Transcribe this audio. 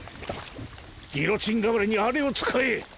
ギロチン代わりにあれを使え！